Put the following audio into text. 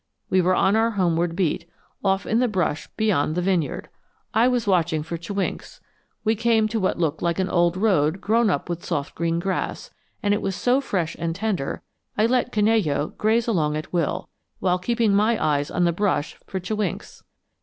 We were on our homeward beat, off in the brush beyond the vineyard. I was watching for chewinks. We came to what looked like an old road grown up with soft green grass, and it was so fresh and tender I let Canello graze along at will; while keeping my eyes on the brush for chewinks.